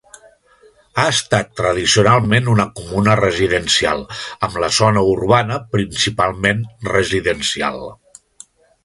Ha estat tradicionalment una comuna residencial, amb la zona urbana principalment residencial.